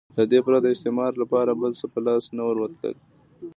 له دې پرته استعمار لپاره بل څه په لاس نه ورتلل.